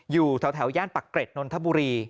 อยู่แถวย่านปักเกร็ดนนทบุรี